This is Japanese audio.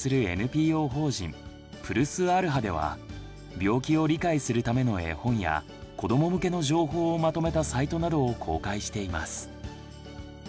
病気を理解するための絵本や子ども向けの情報をまとめたサイトなどを公開しています。